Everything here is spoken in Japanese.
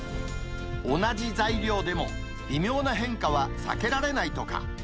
同じ材料でも、微妙な変化は避けられないとか。